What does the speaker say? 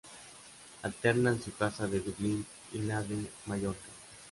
Alternan su casa de Dublín y la de Mallorca.